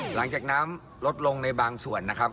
หลังจากน้ำลดลงในบางส่วนนะครับ